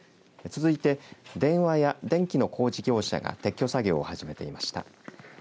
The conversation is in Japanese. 続いて、電話や電気の工事業者が撤去作業を始めていました。